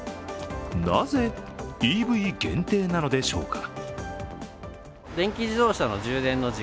なぜＥＶ限定なのでしょうか。